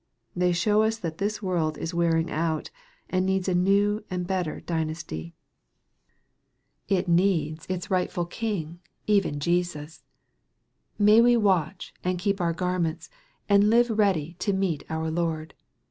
They show us that this world is wearing out, and needs a new and better dynasty. It need its MARK, CHAP. XIII. 289 rightful king, even Jesus. May we watch, and keep our garments, and live ready to meet our Lord